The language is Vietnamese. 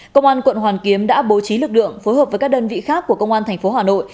công an quận hoàn kiếm đã bố trí lực lượng phối hợp với các đơn vị khác của công an tp hà nội